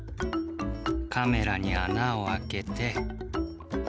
カメラにあなをあけて。